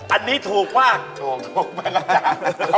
อันนี้ถูกมาก